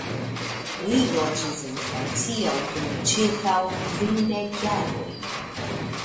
Li loĝis en Francio dum ĉirkaŭ kvin dek jaroj.